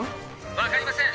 「分かりません。